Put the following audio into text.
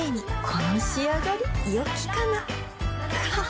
この仕上がりよきかなははっ